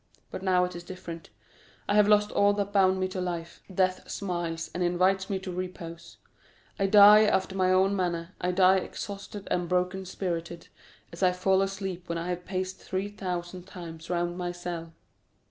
But now it is different; I have lost all that bound me to life, death smiles and invites me to repose; I die after my own manner, I die exhausted and broken spirited, as I fall asleep when I have paced three thousand times round my cell,—that is thirty thousand steps, or about ten leagues."